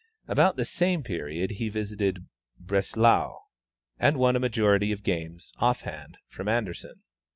About the same period he visited Breslau, and won a majority of games (off hand) from Anderssen.